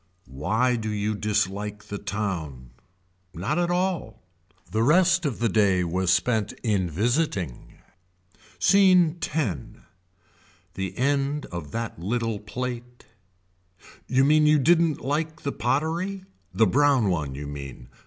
Why do you dislike the town. Not at all. The rest of the day was spent in visiting. Scene X. The end of that little plate. You mean you didn't like the pottery. The brown one you mean.